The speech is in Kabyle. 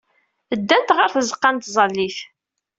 Ddant ɣer tzeɣɣa n tẓallit.